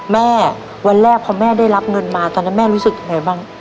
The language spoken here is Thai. แม่วันแรกพอแม่ได้รับเงินมาตอนนั้นแม่รู้สึกยังไงบ้าง